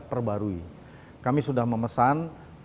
perbarui kami sudah memesan